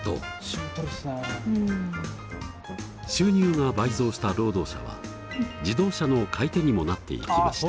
収入が倍増した労働者は自動車の買い手にもなっていきました。